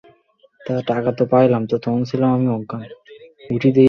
ফ্রান্সে খেলতে এসে এই প্রথমবার লাল কার্ড নিষেধাজ্ঞায় পড়লেন ব্রাজিল অধিনায়ক।